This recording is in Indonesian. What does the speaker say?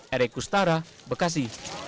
erek kustara bekasi